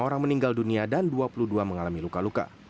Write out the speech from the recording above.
dua puluh orang meninggal dunia dan dua puluh dua mengalami luka luka